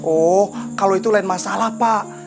oh kalau itu lain masalah pak